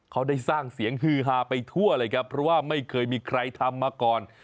เขาได้สร้างเสียงฮือฮาไปทั่วเลยครับเพราะว่าไม่เคยมีใครทำมาก่อน